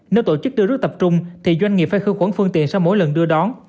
nếu tổ chức đưa rước tập trung thì doanh nghiệp phải khử khuẩn phương tiện sau mỗi lần đưa đón